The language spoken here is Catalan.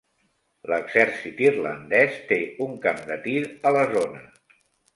L'Exèrcit Irlandès té un camp de tir a la zona.